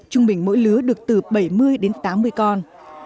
trung bình mỗi lứa được từ bảy mươi đến tám mươi con